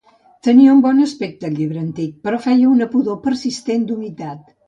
Tenia un bon aspecte el llibre antic, però feia una pudor persistent d'humitat.